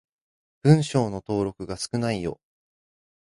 文章の登録が少ないよ。